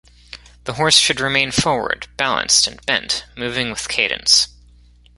The horse should remain forward, balanced, and bent, moving with cadence.